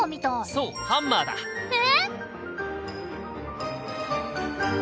そうハンマーだ。え？